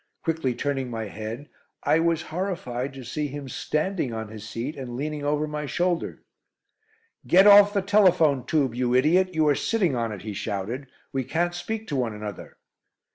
Quickly turning my head, I was horrified to see him standing on his seat and leaning over my shoulder. "Get off the telephone tube, you idiot. You are sitting on it," he shouted. "We can't speak to one another."